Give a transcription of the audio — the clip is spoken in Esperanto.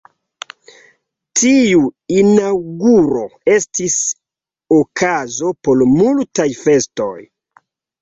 Tiu inaŭguro estis okazo por multaj festoj.